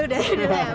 oke duluan kan duluan